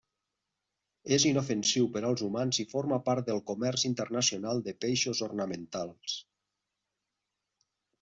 És inofensiu per als humans i forma part del comerç internacional de peixos ornamentals.